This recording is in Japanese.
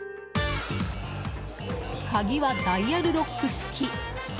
鍵はダイヤルロック式。